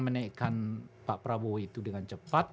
menaikkan pak prabowo itu dengan cepat